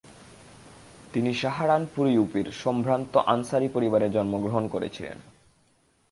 তিনি সাহারানপুর ইউপির সম্ভ্রান্ত আনসারি পরিবারে জন্মগ্রহণ করেছিলেন।